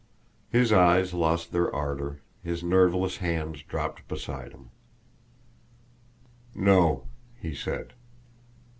His eyes lost their ardor; his nerveless hands dropped beside him. "No," he said.